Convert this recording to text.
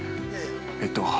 えっと。